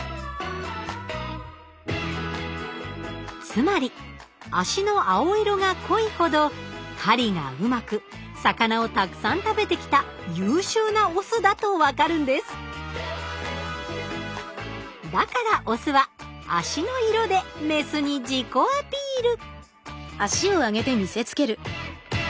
つまり足の青色が濃いほど狩りがうまく魚をたくさん食べてきた優秀なオスだと分かるんですだからオスは足の色でメスに自己アピール